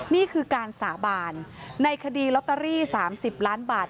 นี่คือการสาบานในคดีลอตเตอรี่๓๐ล้านบาท